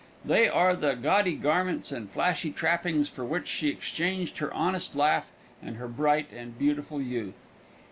They are the gaudy garments and flashy trappings for which she exchanged her honest laugh and her bright and beautiful youth.